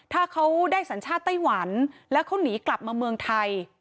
ถ้าเขาได้สัญชาติไต้หวันแล้วเขาหนีกลับมาเมืองไทย